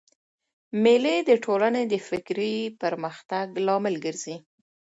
مېلې د ټولني د فکري پرمختګ لامل ګرځي.